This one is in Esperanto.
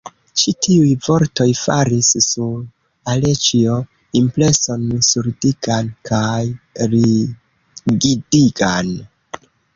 Ĉi tiuj vortoj faris sur Aleĉjo impreson surdigan kaj rigidigan.